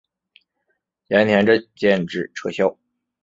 咸田镇建制撤销。